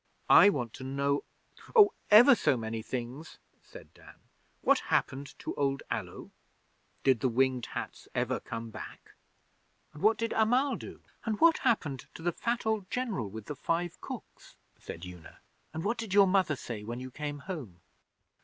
'I want to know, oh, ever so many things,' said Dan. 'What happened to old Allo? Did the Winged Hats ever come back? And what did Amal do?' 'And what happened to the fat old General with the five cooks?' said Una. 'And what did your Mother say when you came home?